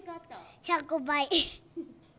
１００倍！